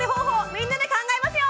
みんなで考えますよ！